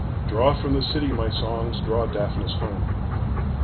"_Draw from the city, my songs, draw Daphnis home.